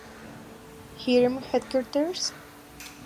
Irem Headquarters?